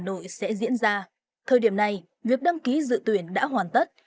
sở giáo dục và đào tạo tp hà nội sẽ diễn ra thời điểm này việc đăng ký dự tuyển đã hoàn tất